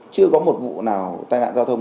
chưa có một vụ nào tai nạn giao thông